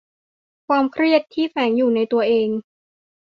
ความเครียดที่แฝงอยู่ในตัวเอง